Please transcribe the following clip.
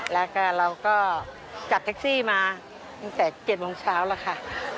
แล้วก็เราก็จับแท็กซี่มาตั้งแต่๗โมงเช้าแล้วค่ะ